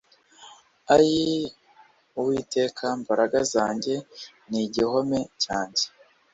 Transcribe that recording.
Ayii Uwiteka mbaraga zanjye n igihome cyanjye